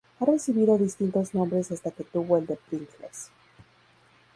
Ha recibido distintos nombres hasta que tuvo el de Pringles.